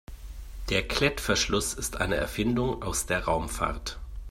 Der Klettverschluss ist eine Erfindung aus der Raumfahrt.